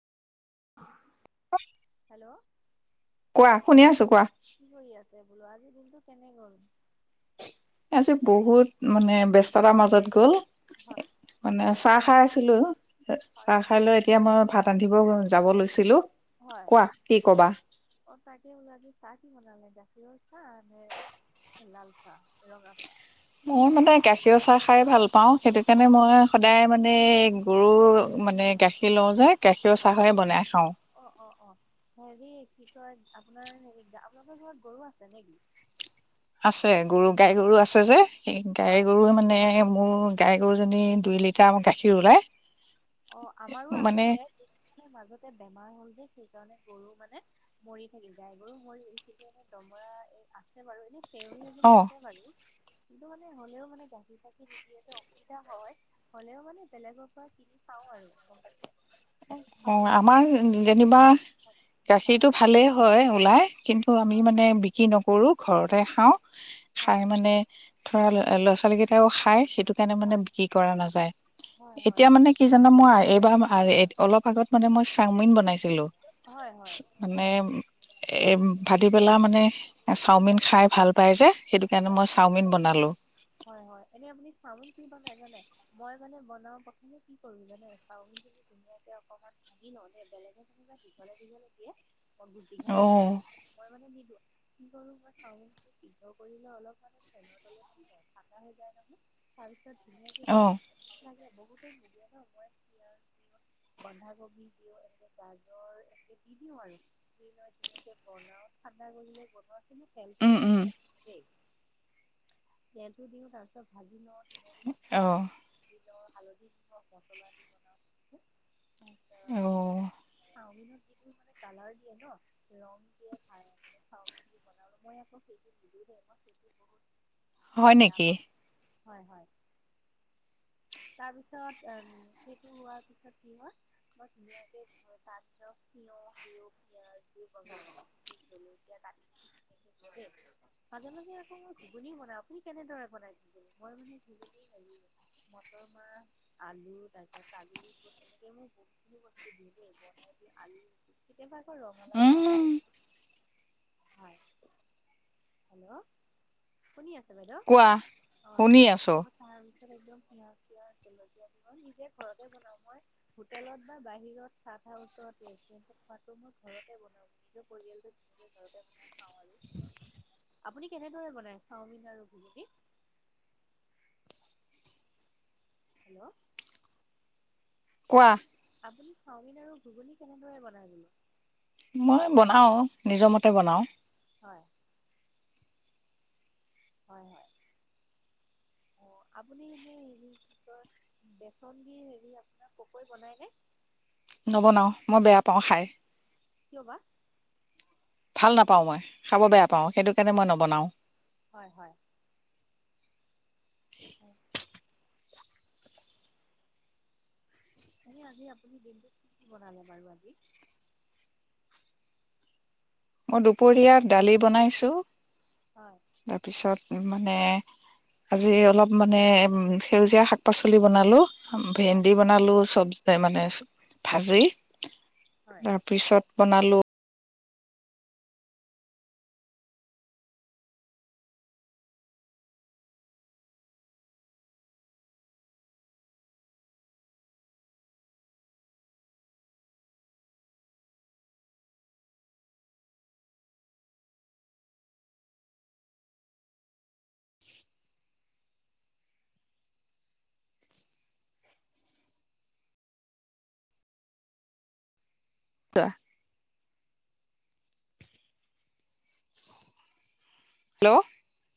Hello কোৱা শুনি আছো কোৱা। কি কৰি আছে বোলো আজি দিনটো কেনে গ'ল? আজি বহুত মানে ব্যস্ততাৰ মাজত গ'ল হয় মানে আ চাহ খাই আছিলোঁ হয় চাহ হয় খাই লৈ এতিয়া মই ভাত ৰান্ধিব যাব লৈছিলোঁ। হয় অ' তাকে আজি চাহ কি বনালে জ [unintelligible] চাহ হে লাল চাহ ৰঙা চাহ। মোৰ মানে গাখীৰ চাহ খাই ভাল পাও সেইটো কাৰণে মই সদায় মানে গৰু মানে হয় গাখীৰ লওঁ যে গাখীৰ হয় হয় চাহে বনাই খাওঁ। অ অ অ হেৰি কি কয় আপোনাৰ হেৰি আপোনালোকৰ ঘৰত গৰু আছে নেকি? আছে গৰু গাই গৰু আছে যে সেই গাই হয় গৰু মানে মোৰ গাই গৰুজনী দুই লিটাৰ গাখীৰ ওলাই। অ', আমাৰো মানে আছিলে কিন্তু মাজতে বেমাৰ হ'ল যে সেইকাৰণে গৰু মানে মৰি থাকিল গাই গৰু মৰিল। কিন্তু দমৰা আছে বাৰু এনে চেউৰী অ এজনী আছে বাৰু। কিন্তু মানে হ'লেও মানে গাখীৰ চাখিৰ নিদেওতে অসুবিধা হয়। হ'লেও মানে বেলেগৰ পৰা কিনি খাওঁ আৰু গমপাই এই আমাৰ যেনিবা হয় গাখীৰতটো ভালেই হয় ওলাই। কিন্তু অ', আমি হয় মানে বিক্ৰী নকৰো ঘৰতে খাওঁ খাই হয় মানে ধৰা লে ল'ৰা ছোৱালী কেইটাইও খাই। তোৰ কাৰণে মানে হয় বিক্ৰী কৰা নাযায়। হয় এতিয়া হয় মানে কি জানো মই এইবাৰ আৰহেত অলপ আগত মানে মই চাওমিন বনাইছিলো হয় হয় হয় মানে এ ভাটি বেলা মানে এ চাওমিন খাই ভাল পাই যে সেইটো কাৰণে হয় হয় মই চাওমিন বনালো। হয়, হয় এনেই আপুনি চাওমিন কি বনাই জানে? মই মানে বনাওঁ প্ৰথমে কি কৰো জানে চাওমিনখিনি ধুনীয়াকে অকনমান ভাগি লো নে বেলেগত দীঘলে দিলো নেকিয়েমই গো অ দীঘলে বা মই মানে দি [unintelligible] লো কি কৰো মই চাওমিন সিদ্ধ কৰিলো অলপ অলপ ফেনৰ তলত দি ঠাণ্ডা হৈ যায় নহয় তাৰপিছত ত অ ধুনীয়াকে [unintelligible] বহুতে মিলিয় ন মই বন্ধাকবি দিও এনেকে গাজৰ একে দি দিও আৰু দি ধুনীয়াকে বনাও। বাই কৰি লৈ তুমি উম তেলবোৰলৈ উম অলপ দে তেলটো দিওঁ তাৰপিছত ভাজি লৈ লোৱা উম, অ'। ৰ হালধি দি মচলা দি বনাও। অও। চাওমিনত যিটো মানে কালাৰ দিয়ে ন ৰং দিয়ে ভাল মানে চাওমিন যি বনাও মই আকৌ সেইটো নি মই সেইটো বহু হয় নেকি? হয়, হয়। তাৰ পিছত অ' সেইটো হোৱাৰ পিছত কি হ'ল মই ধুনীয়াকে তাৰ কিহৰ আকৌ কিহৰ গম [unintelligible] মাজে মাজে আকৌ মই ঘুগনি বনাও। আপুনি কেনেদৰে বনাই ঘুগনি মই মানে ঘুগনি মটৰ মাহ আলু তাৰ পিছত কাজু তেনেকে মোৰ বহুতখিনি বস্তু দেই বনাই আলু কেতিয়াবা আকৌ ৰঙালাও দিব উম দে। হয় হেল্ল' শুনি আছে বাইদেউ, কোৱা হয়। শুনি আছো একম পিয়াজ পিয় জলকীয়া দি মই নিজে ঘৰতে বনাওঁ, মই হোটেলত বা বাহিৰত চ ওচৰতে খোৱাটো মই ঘৰতে বনাওঁ, নিজৰ পৰিয়ালটো ঘৰতে মই খাওঁ আৰু। আপুনি কেনেদৰে বনাই চাওমিন আৰু ভবুটি? হেল্ল'। কোৱা। আপুনি চাওমিন আৰু ঘুগুনি কেনেদৰে বনাই মই বনাও নিজৰ মতে বনাও। হয়। হয়, হয়। আপুনি এনে হেৰি কি কয় বেচন বি হেৰি আপোনাৰ পকৈ বনাইনে? নবনাও, মই বেয়া পাওঁ খাই। [inaudible] ভাল নাপাওঁ মই, খাব বেয়া পাওঁ সেইটো কাৰণে মই নবনাও। হয় হয়। অ' [inaudible] এনে আজি আপুনি দিনটো কি কি বনালে বাৰু আজি? মই দুপৰীয়া দালি বনাইছো, হয় তাৰপিছত মানে, আজি অলপ মানে সেউজীয়া শাক পাচলি বনালো। হয় ভেন্দি হয় বনালো চব মানে অ ভাজি। হয় তাৰপিছত বনালোঁ [unintelligible] হেল্ল'